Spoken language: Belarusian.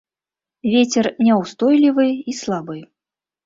Вецер няўстойлівы і слабы.